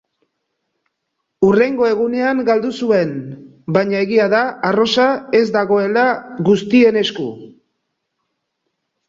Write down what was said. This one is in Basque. Hurrengo egunean galdu zuen, baina egia da arrosa ez dagoela guztien esku.